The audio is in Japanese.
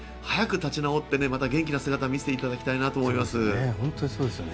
早く立ち直ってまた元気な姿を見せていただきたいなと思います。